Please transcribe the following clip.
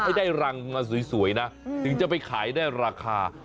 ให้ได้รังมาสวยนะถึงจะไปขายได้ราคา